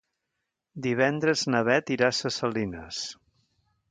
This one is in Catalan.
Divendres na Bet irà a Ses Salines.